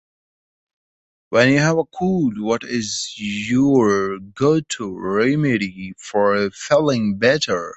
When you have a cold, what is your go-to remedy for feeling better?